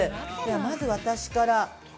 ◆まず私から。